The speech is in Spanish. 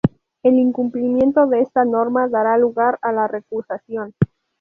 El incumplimiento de esta norma dará lugar a la recusación.